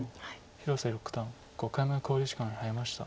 広瀬六段５回目の考慮時間に入りました。